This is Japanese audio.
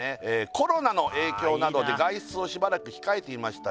「コロナの影響などで外出をしばらく控えていましたが」